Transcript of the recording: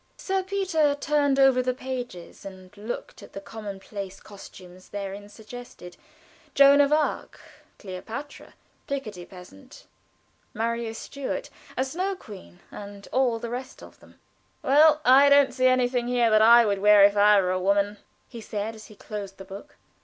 Sir Peter turned over the pages and looked at the commonplace costumes therein suggested Joan of Arc, Cleopatra, Picardy Peasant, Maria Stuart, a Snow Queen, and all the rest of them. "Well, I don't see anything here that I would wear if I were a woman," he said, as he closed the book.